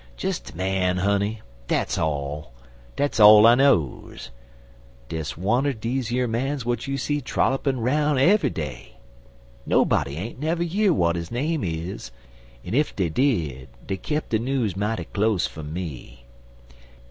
"Des a man, honey. Dat's all. Dat's all I knows des wunner dese yer mans w'at you see trollopin 'roun' eve'y day. Nobody ain't never year w'at his name is, en ef dey did dey kep' de news mighty close fum me.